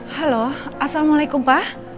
halo assalamualaikum pak